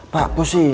pak bos sih